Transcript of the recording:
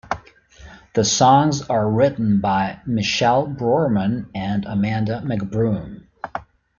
The songs are written by Michelle Brourman and Amanda McBroom.